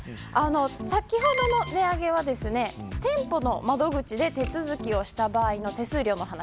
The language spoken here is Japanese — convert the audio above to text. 先ほどの値上げは店舗の窓口で手続きをした場合の手数料の話。